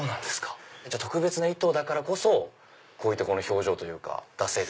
じゃあ特別な糸だからこそこういった表情というか出せる。